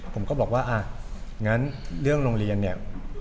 ผมก็บอกว่าอ่ะงั้นเรื่องโรงเรียนเนี่ย